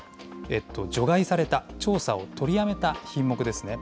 除外された、調査を取りやめた品目ですね。